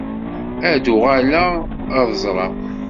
Ad uɣaleɣ ad ẓreɣ.